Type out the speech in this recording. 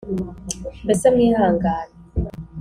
mbese mwihangane